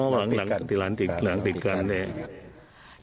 อ๋อหลังติดกันหลังติดกันใช่